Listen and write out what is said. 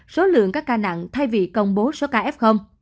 số lượng các ca nặng thay vì công bố số ca f